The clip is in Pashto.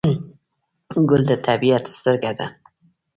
ګل د طبیعت سترګه ده.